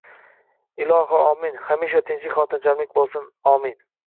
Iloho omin hamisha tinchlik xotirjamlik bo‘lsin omin..